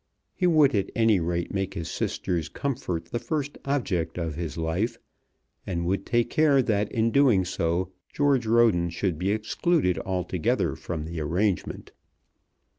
He would at any rate make his sister's comfort the first object of his life, and would take care that in doing so George Roden should be excluded altogether from the arrangement.